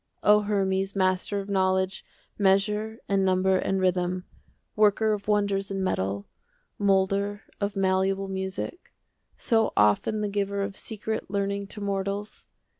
O Hermes, master of knowledge, Measure and number and rhythm, Worker of wonders in metal, 15 Moulder of malleable music, So often the giver of secret Learning to mortals!